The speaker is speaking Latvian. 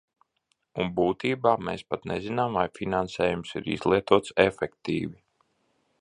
Un būtībā mēs pat nezinām, vai finansējums ir izlietots efektīvi.